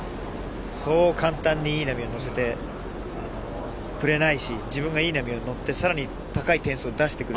そんな簡単にいい波に乗せてくれないし、自分がいい波に乗ってさらに高い点数を出してくる。